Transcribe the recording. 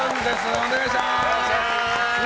お願いします。